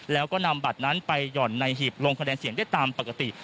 แล้วก็นำบัตรนั้นไปห่อนในหีบลงคะแนนเสียงได้ตามปกติ